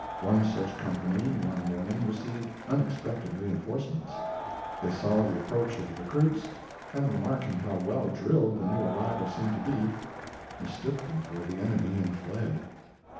One such company one morning received unexpected reinforcements. They saw the approach of the recruits, and, remarking how well drilled the new arrivals seemed to be, mistook them for the enemy and fled.